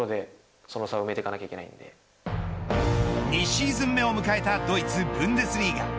２シーズン目を迎えたドイツ、ブンデスリーガ。